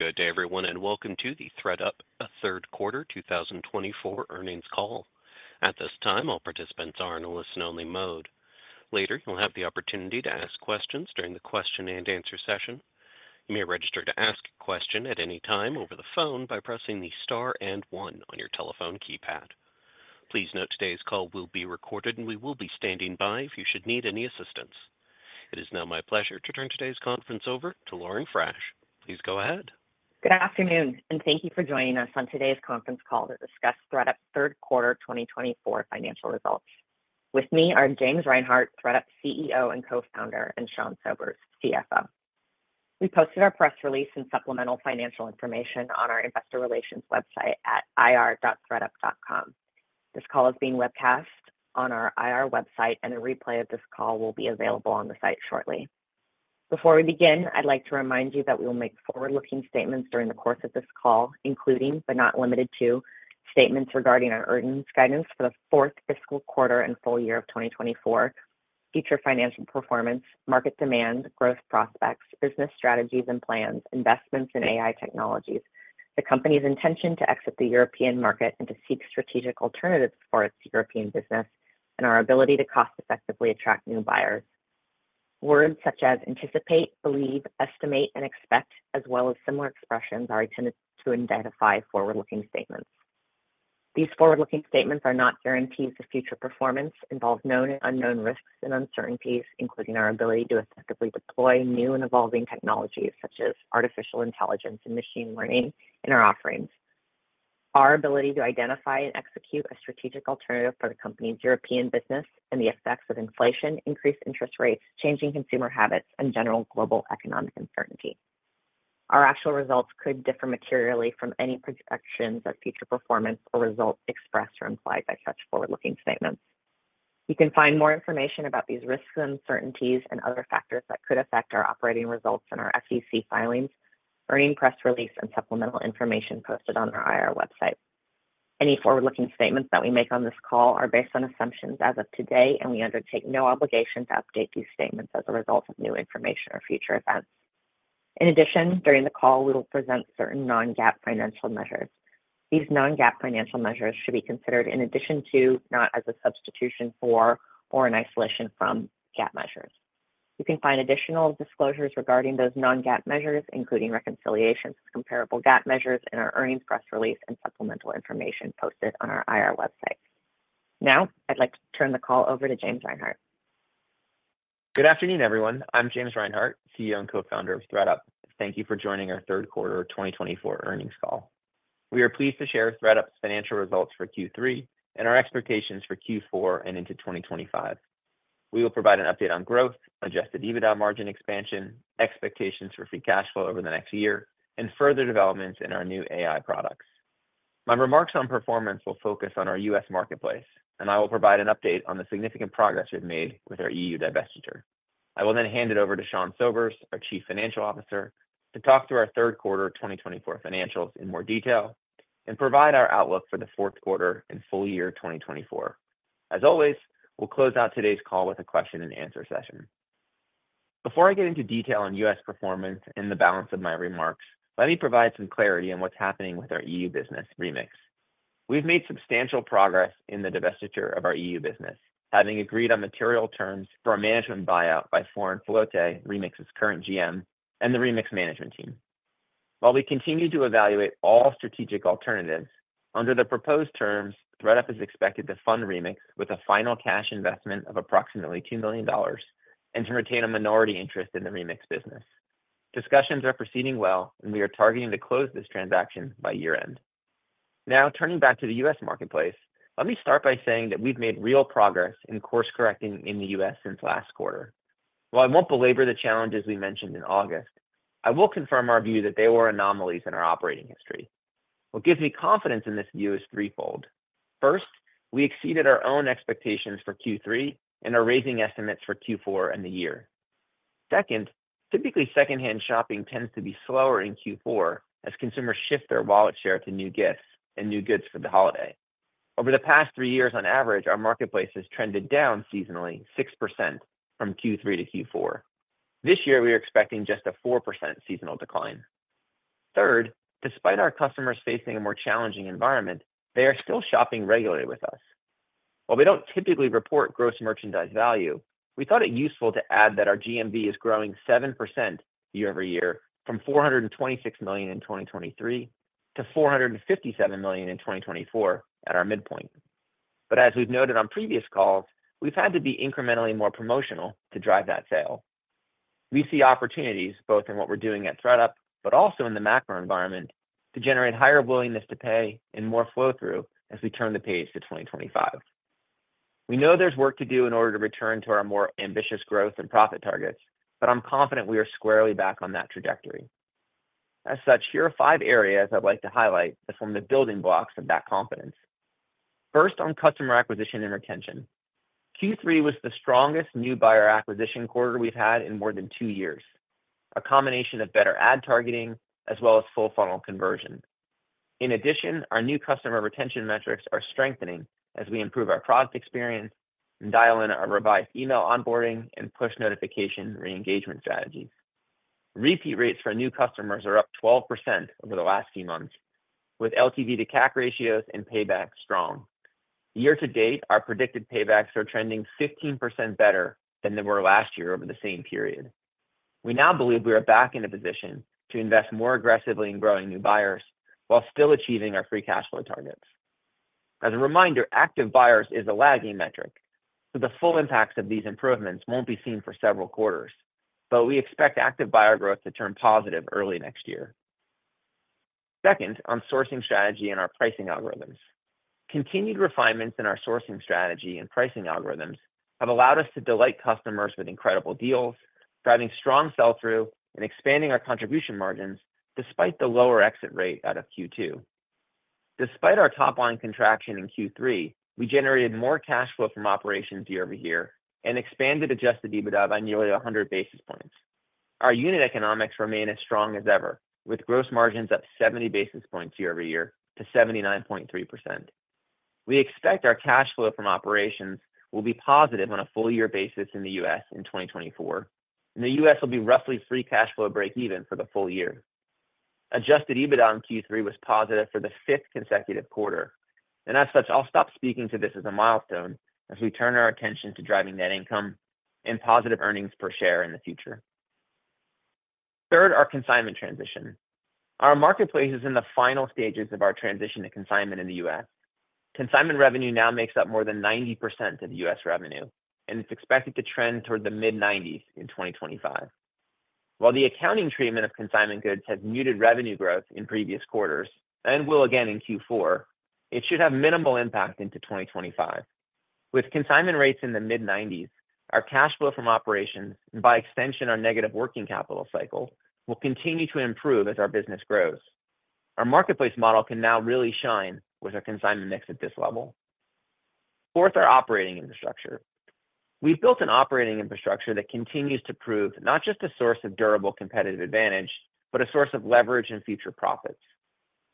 Good day, everyone, and welcome to the ThredUp third quarter 2024 earnings call. At this time, all participants are in a listen-only mode. Later, you'll have the opportunity to ask questions during the question-and-answer session. You may register to ask a question at any time over the phone by pressing the star and one on your telephone keypad. Please note today's call will be recorded, and we will be standing by if you should need any assistance. It is now my pleasure to turn today's conference over to Lauren Frasch. Please go ahead. Good afternoon, and thank you for joining us on today's conference call to discuss ThredUp third quarter 2024 financial results. With me are James Reinhart, ThredUp CEO and co-founder, and Sean Sobers, CFO. We posted our press release and supplemental financial information on our investor relations website at ir.thredup.com. This call is being webcast on our IR website, and a replay of this call will be available on the site shortly. Before we begin, I'd like to remind you that we will make forward-looking statements during the course of this call, including, but not limited to, statements regarding our earnings guidance for the fourth fiscal quarter and full year of 2024, future financial performance, market demand, growth prospects, business strategies and plans, investments in AI technologies, the company's intention to exit the European market and to seek strategic alternatives for its European business, and our ability to cost-effectively attract new buyers. Words such as anticipate, believe, estimate, and expect, as well as similar expressions, are intended to identify forward-looking statements. These forward-looking statements are not guarantees of future performance, involve known and unknown risks and uncertainties, including our ability to effectively deploy new and evolving technologies such as artificial intelligence and machine learning in our offerings. Our ability to identify and execute a strategic alternative for the company's European business and the effects of inflation, increased interest rates, changing consumer habits, and general global economic uncertainty. Our actual results could differ materially from any projections of future performance or results expressed or implied by such forward-looking statements. You can find more information about these risks, uncertainties, and other factors that could affect our operating results and our SEC filings, earnings press release, and supplemental information posted on our IR website. Any forward-looking statements that we make on this call are based on assumptions as of today, and we undertake no obligation to update these statements as a result of new information or future events. In addition, during the call, we will present certain non-GAAP financial measures. These non-GAAP financial measures should be considered in addition to, not as a substitution for, or in isolation from GAAP measures. You can find additional disclosures regarding those non-GAAP measures, including reconciliations with comparable GAAP measures, in our earnings press release and supplemental information posted on our IR website. Now, I'd like to turn the call over to James Reinhart. Good afternoon, everyone. I'm James Reinhart, CEO and co-founder of ThredUp. Thank you for joining our third quarter 2024 earnings call. We are pleased to share ThredUp's financial results for Q3 and our expectations for Q4 and into 2025. We will provide an update on growth, Adjusted EBITDA margin expansion, expectations for free cash flow over the next year, and further developments in our new AI products. My remarks on performance will focus on our U.S. marketplace, and I will provide an update on the significant progress we've made with our EU divestiture. I will then hand it over to Sean Sobers, our Chief Financial Officer, to talk through our third quarter 2024 financials in more detail and provide our outlook for the fourth quarter and full year 2024. As always, we'll close out today's call with a question-and-answer session. Before I get into detail on U.S. performance and the balance of my remarks, let me provide some clarity on what's happening with our EU business, Remix. We've made substantial progress in the divestiture of our EU business, having agreed on material terms for a management buyout by Florin Filote, Remix's current GM, and the Remix management team. While we continue to evaluate all strategic alternatives, under the proposed terms, ThredUp is expected to fund Remix with a final cash investment of approximately $2 million and to retain a minority interest in the Remix business. Discussions are proceeding well, and we are targeting to close this transaction by year-end. Now, turning back to the U.S. marketplace, let me start by saying that we've made real progress in course correcting in the U.S. since last quarter. While I won't belabor the challenges we mentioned in August, I will confirm our view that they were anomalies in our operating history. What gives me confidence in this view is threefold. First, we exceeded our own expectations for Q3 and are raising estimates for Q4 and the year. Second, typically, second-hand shopping tends to be slower in Q4 as consumers shift their wallet share to new gifts and new goods for the holiday. Over the past three years, on average, our marketplace has trended down seasonally 6% from Q3 to Q4. This year, we are expecting just a 4% seasonal decline. Third, despite our customers facing a more challenging environment, they are still shopping regularly with us. While we don't typically report gross merchandise value, we thought it useful to add that our GMV is growing 7% year-over-year from $426 million in 2023 to $457 million in 2024 at our midpoint. But as we've noted on previous calls, we've had to be incrementally more promotional to drive that sale. We see opportunities both in what we're doing at ThredUp, but also in the macro environment, to generate higher willingness to pay and more flow-through as we turn the page to 2025. We know there's work to do in order to return to our more ambitious growth and profit targets, but I'm confident we are squarely back on that trajectory. As such, here are five areas I'd like to highlight that form the building blocks of that confidence. First, on customer acquisition and retention, Q3 was the strongest new buyer acquisition quarter we've had in more than two years, a combination of better ad targeting as well as full-funnel conversion. In addition, our new customer retention metrics are strengthening as we improve our product experience and dial in our revised email onboarding and push notification re-engagement strategies. Repeat rates for new customers are up 12% over the last few months, with LTV to CAC ratios and payback strong. Year to date, our predicted paybacks are trending 15% better than they were last year over the same period. We now believe we are back in a position to invest more aggressively in growing new buyers while still achieving our free cash flow targets. As a reminder, active buyers is a lagging metric, so the full impacts of these improvements won't be seen for several quarters, but we expect active buyer growth to turn positive early next year. Second, on sourcing strategy and our pricing algorithms. Continued refinements in our sourcing strategy and pricing algorithms have allowed us to delight customers with incredible deals, driving strong sell-through and expanding our contribution margins despite the lower exit rate out of Q2. Despite our top-line contraction in Q3, we generated more cash flow from operations year-over-year and expanded Adjusted EBITDA by nearly 100 basis points. Our unit economics remain as strong as ever, with gross margins up 70 basis points year-over-year to 79.3%. We expect our cash flow from operations will be positive on a full-year basis in the U.S. in 2024, and the U.S. will be roughly free cash flow break-even for the full year. Adjusted EBITDA in Q3 was positive for the fifth consecutive quarter, and as such, I'll stop speaking to this as a milestone as we turn our attention to driving net income and positive earnings per share in the future. Third, our consignment transition. Our marketplace is in the final stages of our transition to consignment in the U.S. Consignment revenue now makes up more than 90% of U.S. revenue, and it's expected to trend toward the mid-90s in 2025. While the accounting treatment of consignment goods has muted revenue growth in previous quarters and will again in Q4, it should have minimal impact into 2025. With consignment rates in the mid-90s, our cash flow from operations and, by extension, our negative working capital cycle will continue to improve as our business grows. Our marketplace model can now really shine with our consignment mix at this level. Fourth, our operating infrastructure. We've built an operating infrastructure that continues to prove not just a source of durable competitive advantage, but a source of leverage and future profits.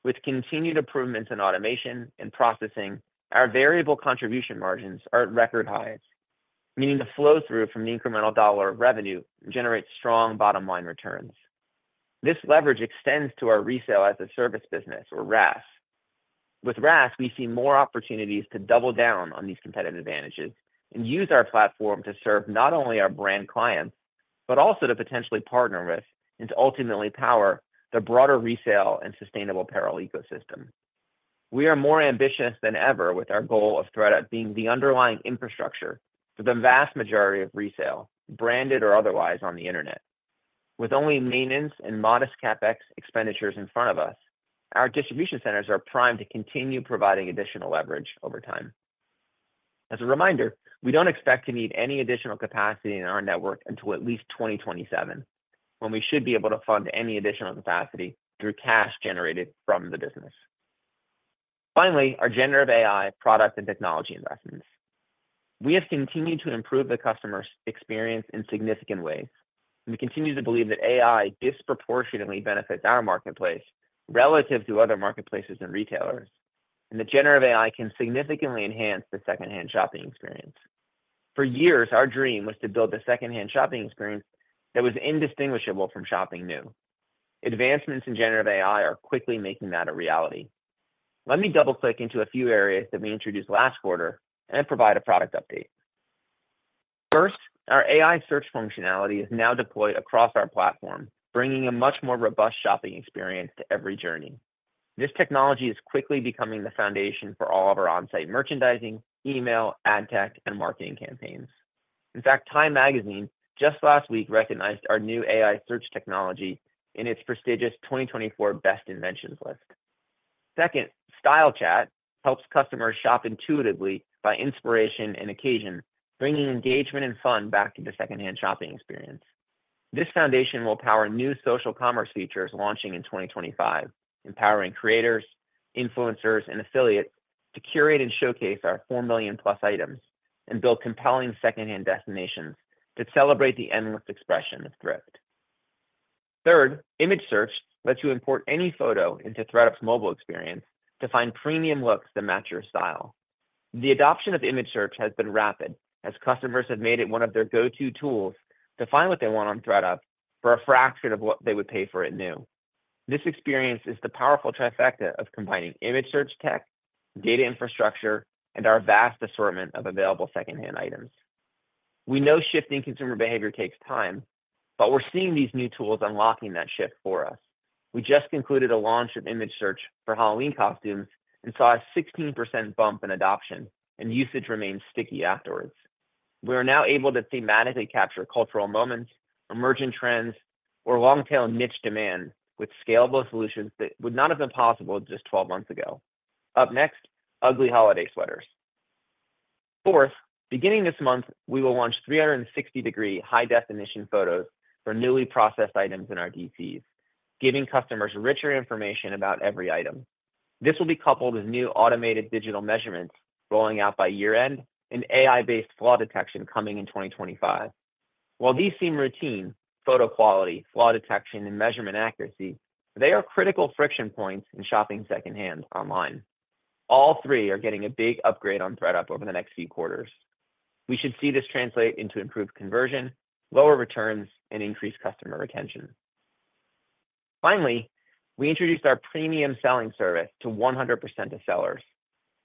With continued improvements in automation and processing, our variable contribution margins are at record highs, meaning the flow-through from the incremental dollar of revenue generates strong bottom-line returns. This leverage extends to our Resale as a Service business, or RaaS. With RaaS, we see more opportunities to double down on these competitive advantages and use our platform to serve not only our brand clients, but also to potentially partner with and to ultimately power the broader resale and sustainable parallel ecosystem. We are more ambitious than ever with our goal of ThredUp being the underlying infrastructure for the vast majority of resale, branded or otherwise, on the internet. With only maintenance and modest CapEx expenditures in front of us, our distribution centers are primed to continue providing additional leverage over time. As a reminder, we don't expect to need any additional capacity in our network until at least 2027, when we should be able to fund any additional capacity through cash generated from the business. Finally, our generative AI product and technology investments. We have continued to improve the customer's experience in significant ways. We continue to believe that AI disproportionately benefits our marketplace relative to other marketplaces and retailers, and that generative AI can significantly enhance the second-hand shopping experience. For years, our dream was to build a second-hand shopping experience that was indistinguishable from shopping new. Advancements in generative AI are quickly making that a reality. Let me double-click into a few areas that we introduced last quarter and provide a product update. First, our AI search functionality is now deployed across our platform, bringing a much more robust shopping experience to every journey. This technology is quickly becoming the foundation for all of our on-site merchandising, email, ad tech, and marketing campaigns. In fact, TIME just last week recognized our new AI search technology in its prestigious 2024 Best Inventions list. Second, Style Chat helps customers shop intuitively by inspiration and occasion, bringing engagement and fun back to the second-hand shopping experience. This foundation will power new social commerce features launching in 2025, empowering creators, influencers, and affiliates to curate and showcase our 4 million-plus items and build compelling second-hand destinations to celebrate the endless expression of thrift. Third, Image Search lets you import any photo into ThredUp's mobile experience to find premium looks that match your style. The adoption of Image Search has been rapid as customers have made it one of their go-to tools to find what they want on ThredUp for a fraction of what they would pay for it new. This experience is the powerful trifecta of combining image search tech, data infrastructure, and our vast assortment of available second-hand items. We know shifting consumer behavior takes time, but we're seeing these new tools unlocking that shift for us. We just concluded a launch of Image Search for Halloween costumes and saw a 16% bump in adoption, and usage remained sticky afterwards. We are now able to thematically capture cultural moments, emerging trends, or long-tail niche demand with scalable solutions that would not have been possible just 12 months ago. Up next, ugly holiday sweaters. Fourth, beginning this month, we will launch 360-degree high-definition photos for newly processed items in our DCs, giving customers richer information about every item. This will be coupled with new automated digital measurements rolling out by year-end and AI-based flaw detection coming in 2025. While these seem routine, photo quality, flaw detection, and measurement accuracy, they are critical friction points in shopping second-hand online. All three are getting a big upgrade on ThredUp over the next few quarters. We should see this translate into improved conversion, lower returns, and increased customer retention. Finally, we introduced our premium selling service to 100% of sellers.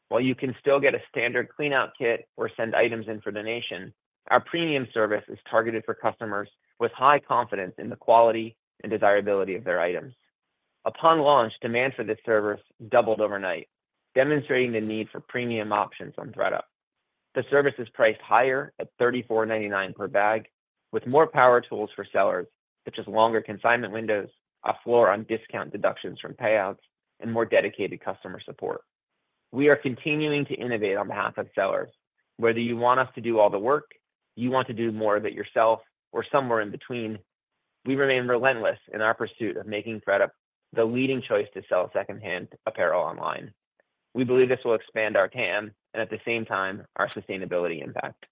While you can still get a standard Clean Out Kit or send items in for donation, our premium service is targeted for customers with high confidence in the quality and desirability of their items. Upon launch, demand for this service doubled overnight, demonstrating the need for premium options on ThredUp. The service is priced higher at $34.99 per bag, with more power tools for sellers, such as longer consignment windows, a floor on discount deductions from payouts, and more dedicated customer support. We are continuing to innovate on behalf of sellers. Whether you want us to do all the work, you want to do more of it yourself, or somewhere in between, we remain relentless in our pursuit of making ThredUp the leading choice to sell second-hand apparel online. We believe this will expand our TAM and, at the same time, our sustainability impact.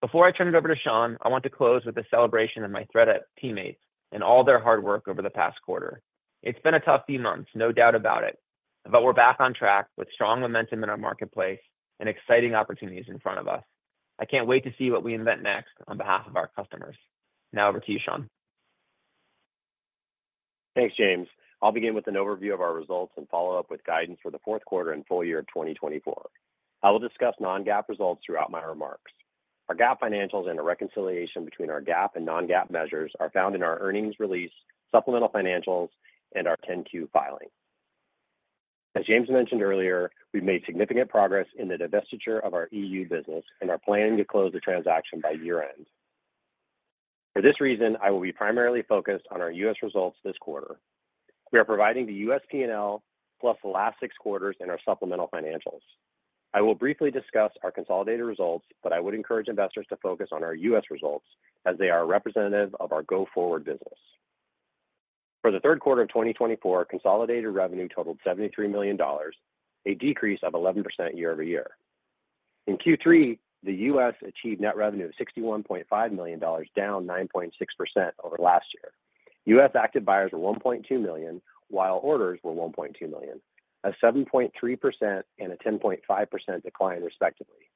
Before I turn it over to Sean, I want to close with a celebration of my ThredUp teammates and all their hard work over the past quarter. It's been a tough few months, no doubt about it, but we're back on track with strong momentum in our marketplace and exciting opportunities in front of us. I can't wait to see what we invent next on behalf of our customers. Now, over to you, Sean. Thanks, James. I'll begin with an overview of our results and follow up with guidance for the fourth quarter and full year of 2024. I will discuss non-GAAP results throughout my remarks. Our GAAP financials and a reconciliation between our GAAP and non-GAAP measures are found in our earnings release, supplemental financials, and our 10-Q filing. As James mentioned earlier, we've made significant progress in the divestiture of our EU business and are planning to close the transaction by year-end. For this reason, I will be primarily focused on our U.S. results this quarter. We are providing the U.S. P&L plus the last six quarters in our supplemental financials. I will briefly discuss our consolidated results, but I would encourage investors to focus on our U.S. results as they are a representative of our go-forward business. For the third quarter of 2024, consolidated revenue totaled $73 million, a decrease of 11% year-over-year. In Q3, the U.S. achieved net revenue of $61.5 million, down 9.6% over last year. U.S. active buyers were 1.2 million, while orders were 1.2 million, a 7.3% and a 10.5% decline, respectively.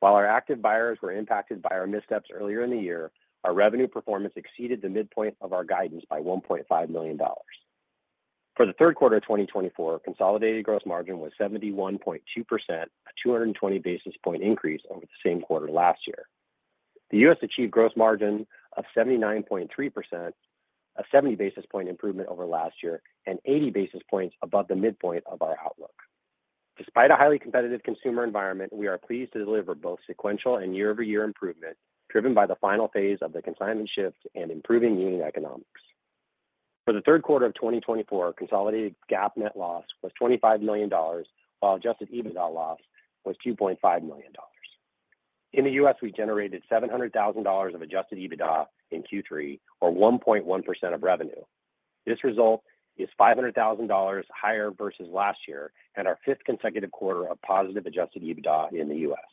While our active buyers were impacted by our missteps earlier in the year, our revenue performance exceeded the midpoint of our guidance by $1.5 million. For the third quarter of 2024, consolidated gross margin was 71.2%, a 220 basis points increase over the same quarter last year. The U.S. Achieved gross margin of 79.3%, a 70 basis point improvement over last year, and 80 basis points above the midpoint of our outlook. Despite a highly competitive consumer environment, we are pleased to deliver both sequential and year-over-year improvement driven by the final phase of the consignment shift and improving unit economics. For the third quarter of 2024, consolidated GAAP net loss was $25 million, while Adjusted EBITDA loss was $2.5 million. In the U.S., we generated $700,000 of Adjusted EBITDA in Q3, or 1.1% of revenue. This result is $500,000 higher versus last year and our fifth consecutive quarter of positive Adjusted EBITDA in the U.S.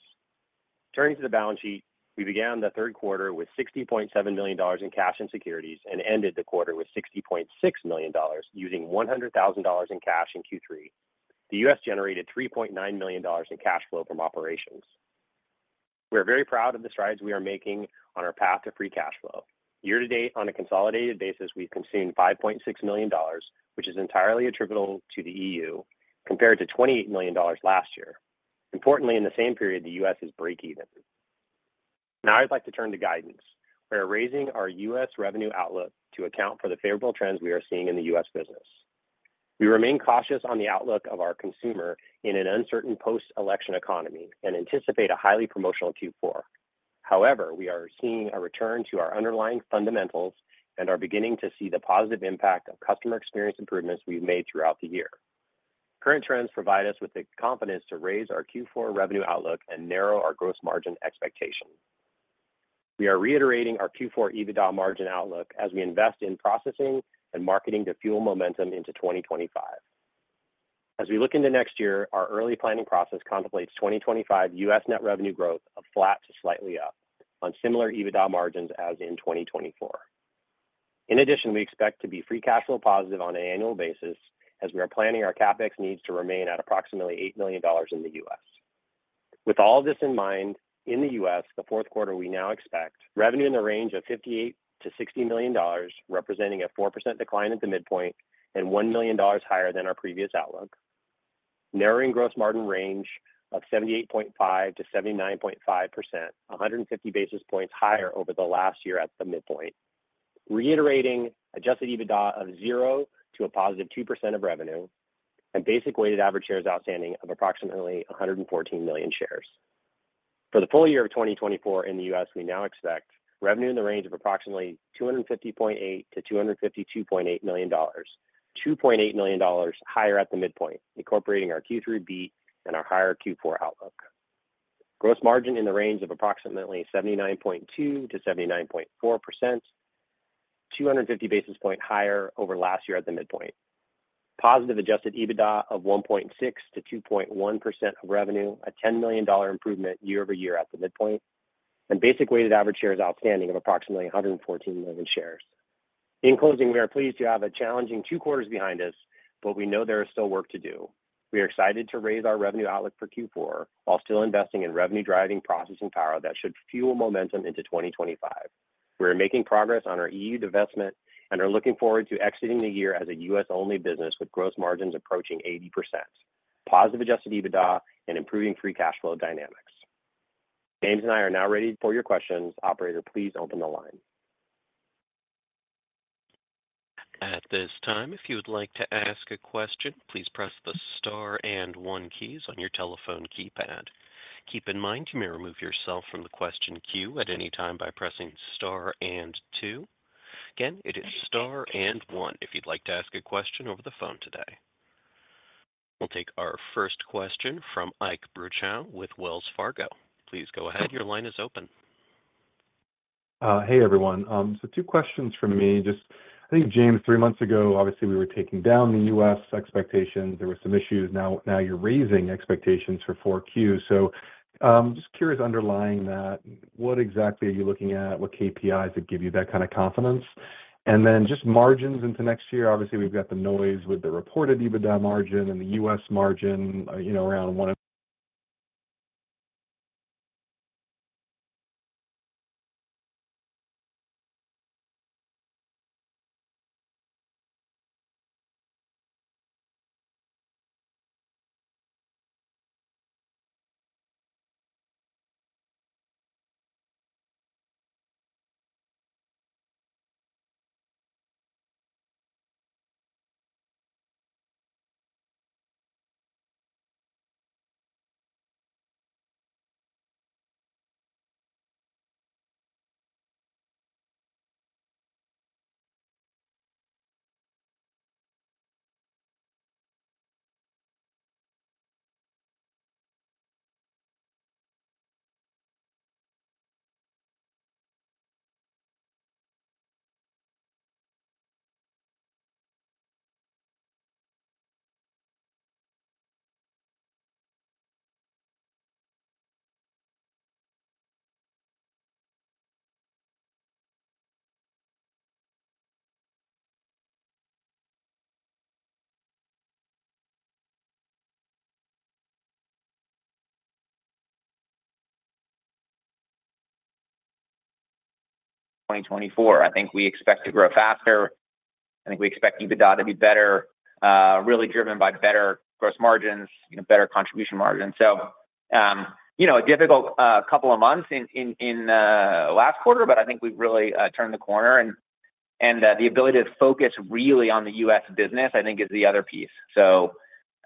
Turning to the balance sheet, we began the third quarter with $60.7 million in cash and securities and ended the quarter with $60.6 million using $100,000 in cash in Q3. The U.S. generated $3.9 million in cash flow from operations. We are very proud of the strides we are making on our path to free cash flow. Year to date, on a consolidated basis, we've consumed $5.6 million, which is entirely attributable to the EU, compared to $28 million last year. Importantly, in the same period, the U.S. is break-even. Now, I'd like to turn to guidance. We are raising our U.S. revenue outlook to account for the favorable trends we are seeing in the U.S. business. We remain cautious on the outlook of our consumer in an uncertain post-election economy and anticipate a highly promotional Q4. However, we are seeing a return to our underlying fundamentals and are beginning to see the positive impact of customer experience improvements we've made throughout the year. Current trends provide us with the confidence to raise our Q4 revenue outlook and narrow our gross margin expectation. We are reiterating our Q4 EBITDA margin outlook as we invest in processing and marketing to fuel momentum into 2025. As we look into next year, our early planning process contemplates 2025 U.S. net revenue growth of flat to slightly up on similar EBITDA margins as in 2024. In addition, we expect to be free cash flow positive on an annual basis as we are planning our CapEx needs to remain at approximately $8 million in the U.S. With all of this in mind, in the U.S., the fourth quarter we now expect revenue in the range of $58-$60 million, representing a 4% decline at the midpoint and $1 million higher than our previous outlook. Narrowing gross margin range of 78.5%-79.5%, 150 basis points higher over the last year at the midpoint. Reiterating Adjusted EBITDA of zero to a positive 2% of revenue and basic weighted average shares outstanding of approximately 114 million shares. For the full year of 2024 in the U.S., we now expect revenue in the range of approximately $250.8 million-$252.8 million, $2.8 million higher at the midpoint, incorporating our Q3 beat and our higher Q4 outlook. Gross margin in the range of approximately 79.2%-79.4%, 250 basis point higher over last year at the midpoint. Positive Adjusted EBITDA of 1.6%-2.1% of revenue, a $10 million improvement year-over-year at the midpoint, and basic weighted average shares outstanding of approximately 114 million shares. In closing, we are pleased to have a challenging two quarters behind us, but we know there is still work to do. We are excited to raise our revenue outlook for Q4 while still investing in revenue-driving processing power that should fuel momentum into 2025. We are making progress on our EU divestment and are looking forward to exiting the year as a U.S.-only business with gross margins approaching 80%, positive Adjusted EBITDA, and improving free cash flow dynamics. James and I are now ready for your questions. Operator, please open the line. At this time, if you would like to ask a question, please press the star and one keys on your telephone keypad. Keep in mind, you may remove yourself from the question queue at any time by pressing star and two. Again, it is star and one if you'd like to ask a question over the phone today. We'll take our first question from Ike Boruchow with Wells Fargo. Please go ahead. Your line is open. Hey, everyone. So two questions for me. Just, I think, James, three months ago, obviously, we were taking down the U.S. expectations. There were some issues. Now you're raising expectations for 4Q. So just curious, underlying that, what exactly are you looking at? What KPIs that give you that kind of confidence? And then just margins into next year. Obviously, we've got the noise with the reported EBITDA margin and the U.S. margin around. 2024. I think we expect to grow faster. I think we expect EBITDA to be better, really driven by better gross margins, better contribution margins. So a difficult couple of months in the last quarter, but I think we've really turned the corner. And the ability to focus really on the U.S. business, I think, is the other piece. So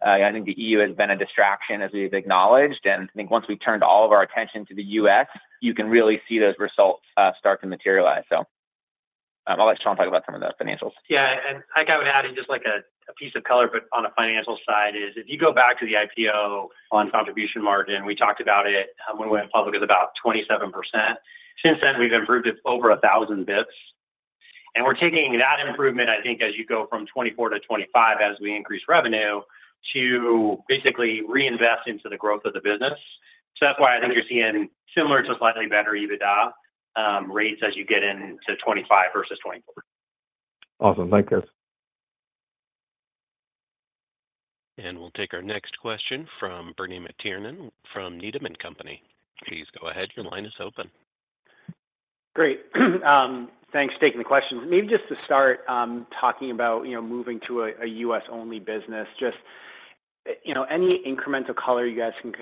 I think the EU has been a distraction, as we've acknowledged. And I think once we've turned all of our attention to the U.S., you can really see those results start to materialize. So I'll let Sean talk about some of the financials. Yeah. And I would add in just like a piece of color, but on a financial side, if you go back to the IPO on contribution margin, we talked about it when we went public as about 27%. Since then, we've improved it over 1,000 basis points. And we're taking that improvement, I think, as you go from 24 to 25 as we increase revenue to basically reinvest into the growth of the business. So that's why I think you're seeing similar to slightly better EBITDA rates as you get into 25 versus 24. Awesome. Thank you. And we'll take our next question from Bernie McTernan from Needham & Company. Please go ahead. Your line is open. Great. Thanks for taking the question. Maybe just to start talking about moving to a U.S.-only business, just any incremental color you guys can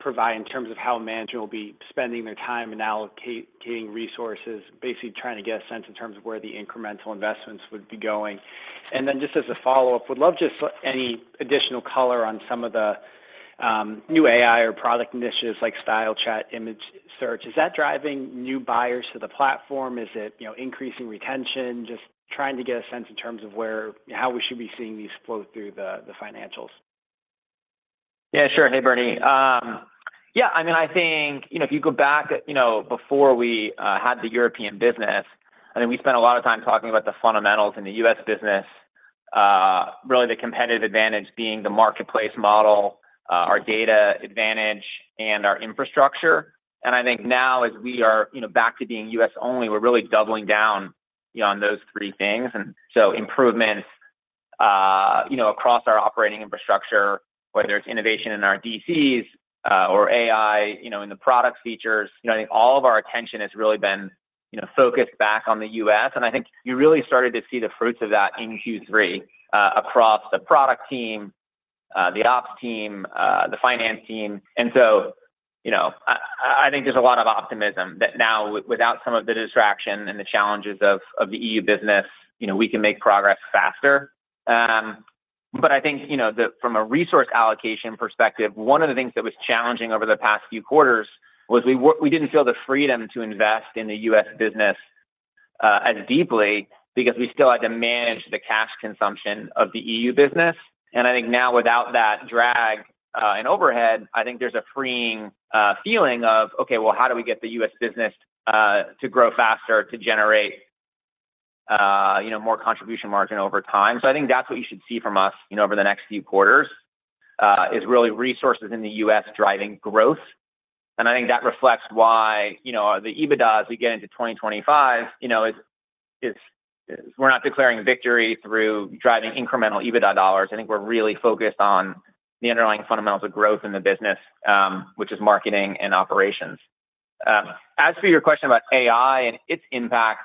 provide in terms of how management will be spending their time and allocating resources, basically trying to get a sense in terms of where the incremental investments would be going. And then just as a follow-up, would love just any additional color on some of the new AI or product initiatives like Style Chat, Image Search. Is that driving new buyers to the platform? Is it increasing retention? Just trying to get a sense in terms of how we should be seeing these flow through the financials. Yeah, sure. Hey, Bernie. Yeah. I mean, I think if you go back before we had the European business, I mean, we spent a lot of time talking about the fundamentals in the U.S. Business, really the competitive advantage being the marketplace model, our data advantage, and our infrastructure, and I think now, as we are back to being U.S.-only, we're really doubling down on those three things, and so improvements across our operating infrastructure, whether it's innovation in our DCs or AI in the product features. I think all of our attention has really been focused back on the U.S., and I think you really started to see the fruits of that in Q3 across the product team, the ops team, the finance team, and so I think there's a lot of optimism that now, without some of the distraction and the challenges of the EU business, we can make progress faster, but I think from a resource allocation perspective, one of the things that was challenging over the past few quarters was we didn't feel the freedom to invest in the U.S. business as deeply because we still had to manage the cash consumption of the EU business. And I think now, without that drag and overhead, I think there's a freeing feeling of, "Okay, well, how do we get the U.S. business to grow faster to generate more contribution margin over time?" So I think that's what you should see from us over the next few quarters is really resources in the U.S. driving growth. And I think that reflects why the EBITDA as we get into 2025 is we're not declaring victory through driving incremental EBITDA dollars. I think we're really focused on the underlying fundamentals of growth in the business, which is marketing and operations. As for your question about AI and its impact,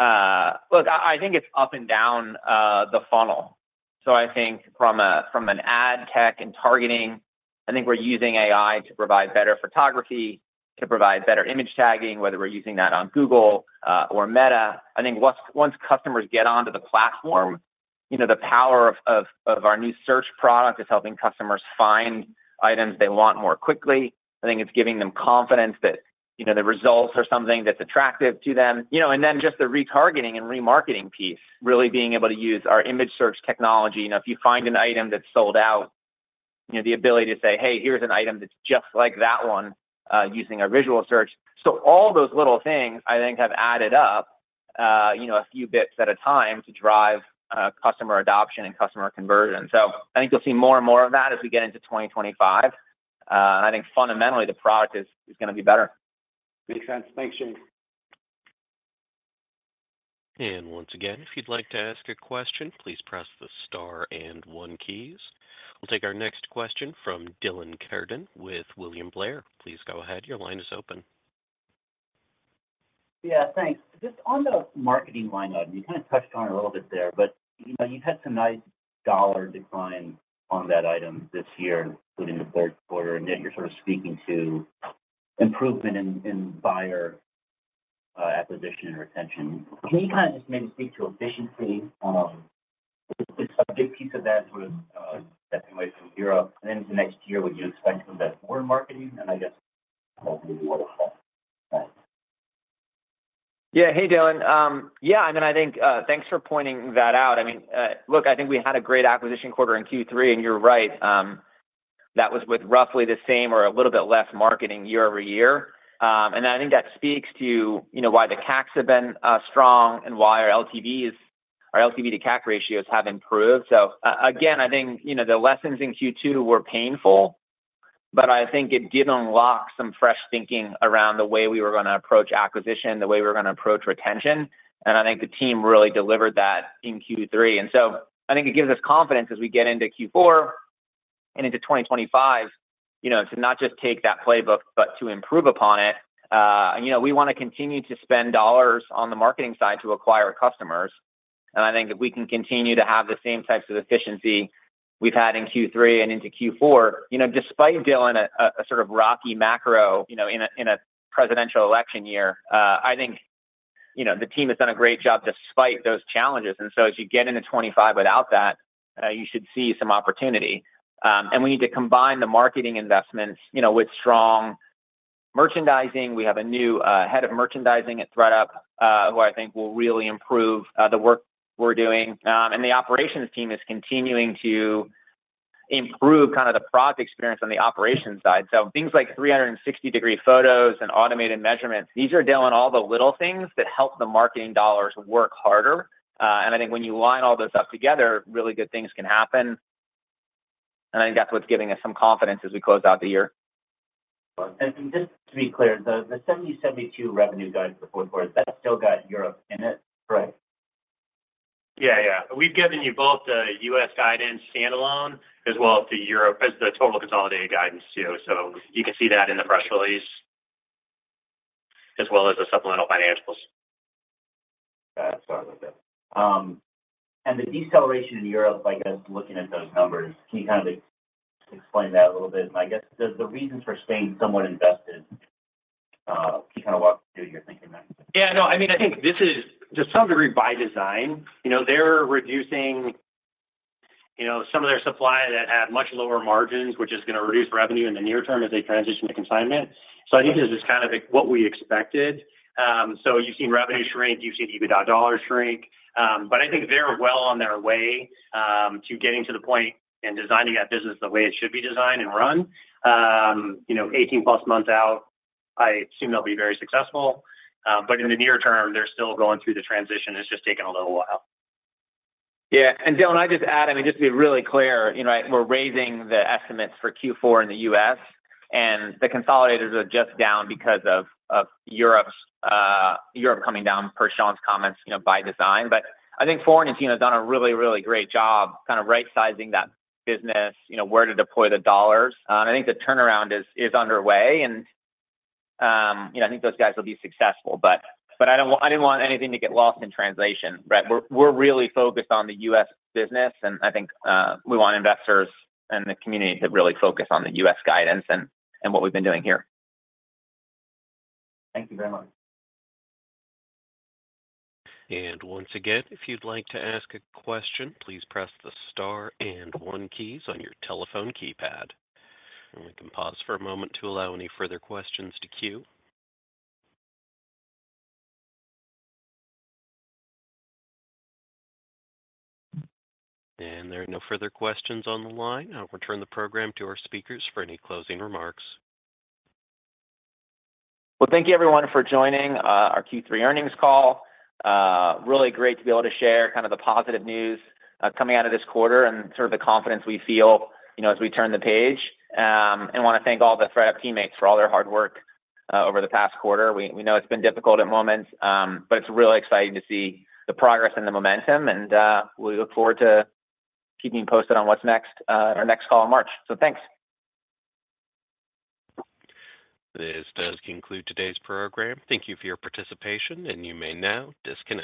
look, I think it's up and down the funnel. So, I think from an ad tech and targeting, I think we're using AI to provide better photography, to provide better image tagging, whether we're using that on Google or Meta. I think once customers get onto the platform, the power of our new search product is helping customers find items they want more quickly. I think it's giving them confidence that the results are something that's attractive to them, and then just the retargeting and remarketing piece, really being able to use our image search technology. If you find an item that's sold out, the ability to say, "Hey, here's an item that's just like that one using our visual search," so all those little things, I think, have added up a few bits at a time to drive customer adoption and customer conversion, so I think you'll see more and more of that as we get into 2025. I think fundamentally, the product is going to be better. Makes sense. Thanks, James. And once again, if you'd like to ask a question, please press the star and one keys. We'll take our next question from Dylan Carden with William Blair. Please go ahead. Your line is open. Yeah, thanks. Just on the marketing line item, you kind of touched on it a little bit there, but you've had some nice dollar decline on that item this year, including the third quarter. And you're sort of speaking to improvement in buyer acquisition and retention. Can you kind of just maybe speak to efficiency? It's a big piece of that sort of stepping away from Europe. And then the next year, would you expect to invest more in marketing? And I guess. Hopefully, more of that. Yeah. Hey, Dylan. Yeah. I mean, I think thanks for pointing that out. I mean, look, I think we had a great acquisition quarter in Q3. And you're right. That was with roughly the same or a little bit less marketing year-over-year. And I think that speaks to why the CACs have been strong and why our LTV to CAC ratios have improved. So again, I think the lessons in Q2 were painful, but I think it did unlock some fresh thinking around the way we were going to approach acquisition, the way we were going to approach retention. And I think the team really delivered that in Q3. And so I think it gives us confidence as we get into Q4 and into 2025 to not just take that playbook, but to improve upon it. We want to continue to spend dollars on the marketing side to acquire customers. I think if we can continue to have the same types of efficiency we've had in Q3 and into Q4, despite dealing with a sort of rocky macro in a presidential election year, I think the team has done a great job despite those challenges, and so as you get into 2025 without that, you should see some opportunity. We need to combine the marketing investments with strong merchandising. We have a new head of merchandising at ThredUp who I think will really improve the work we're doing. The operations team is continuing to improve kind of the product experience on the operations side, so things like 360-degree photos and automated measurements, these are dealing with all the little things that help the marketing dollars work harder. I think when you line all those up together, really good things can happen. I think that's what's giving us some confidence as we close out the year. Just to be clear, the 70-72 revenue guide for the fourth quarter, that's still got Europe in it, correct? Yeah, yeah. We've given you both the U.S. guidance standalone as well as the total consolidated guidance too. So you can see that in the press release as well as the supplemental financials. Got it. Sorry about that. The deceleration in Europe, I guess, looking at those numbers, can you kind of explain that a little bit? I guess the reasons for staying somewhat invested, can you kind of walk through your thinking there? Yeah. No, I mean, I think this is to some degree by design. They're reducing some of their supply that had much lower margins, which is going to reduce revenue in the near term as they transition to consignment. I think this is kind of what we expected. You've seen revenue shrink. You've seen EBITDA dollars shrink. I think they're well on their way to getting to the point and designing that business the way it should be designed and run. 18-plus months out, I assume they'll be very successful. In the near term, they're still going through the transition. It's just taken a little while. Yeah. Dylan, I just add, I mean, just to be really clear, we're raising the estimates for Q4 in the U.S. The consolidated are just down because of Europe coming down, per Sean's comments, by design. I think Florin has done a really, really great job kind of right-sizing that business, where to deploy the dollars. I think the turnaround is underway. I think those guys will be successful. But I didn't want anything to get lost in translation. We're really focused on the U.S. business. And I think we want investors and the community to really focus on the U.S. guidance and what we've been doing here. Thank you very much. And once again, if you'd like to ask a question, please press the star and one keys on your telephone keypad. And we can pause for a moment to allow any further questions to queue. And there are no further questions on the line. I'll return the program to our speakers for any closing remarks. Well, thank you, everyone, for joining our Q3 earnings call. Really great to be able to share kind of the positive news coming out of this quarter and sort of the confidence we feel as we turn the page. I want to thank all the ThredUp teammates for all their hard work over the past quarter. We know it's been difficult at moments, but it's really exciting to see the progress and the momentum. We look forward to keeping you posted on what's next, our next call in March. Thanks. This does conclude today's program. Thank you for your participation. You may now disconnect.